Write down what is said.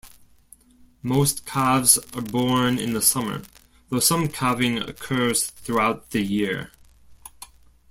Most calves are born in the summer, though some calving occurs throughout the year.